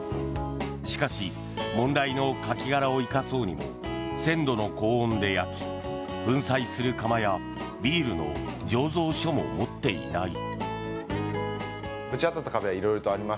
しかし問題のカキ殻を生かそうにも１０００度の高温で焼き粉砕する窯やビールの醸造所も持っていない。